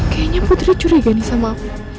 kayaknya putri curiga nih sama aku